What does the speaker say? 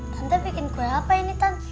tante bikin kue apa ini kan